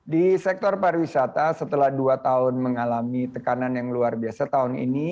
di sektor pariwisata setelah dua tahun mengalami tekanan yang luar biasa tahun ini